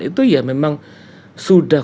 itu ya memang sudah